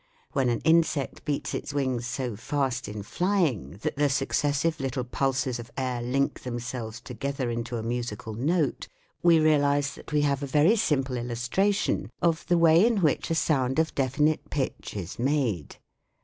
When an insect beats its wings so fast in flying that the successive little pulses of air link themselves together into a musical note we realise that we have a very simple illustration of the way in which a sound of definite pitch is made.